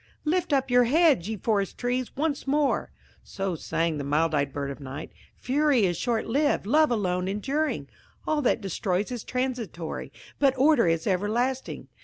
"Lift up your heads, ye forest trees, once more;" so sang the mild eyed Bird of Night. "Fury is short lived–love alone enduring. All that destroys is transitory, but order is everlasting.